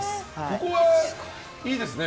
ここはいいですね